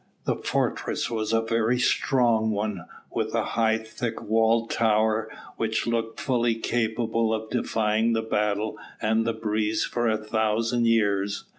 The fortress was a very strong one, with a high thick walled tower which looked fully capable of defying the battle and the breeze for a thousand years.